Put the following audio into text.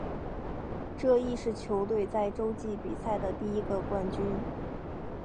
这亦是球队在洲际比赛的第一个冠军。